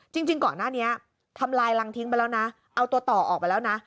จริงก่อนหน้านี้ทำลายรังทิ้งไปแล้วนะเอาตัวต่อออกไปแล้วนะ